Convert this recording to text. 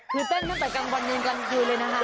คือเต้นตั้งแต่กลางวันเย็นกลางคืนเลยนะคะ